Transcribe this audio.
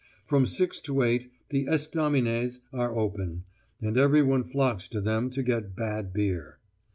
From six to eight the estaminets are open, and everyone flocks to them to get bad beer.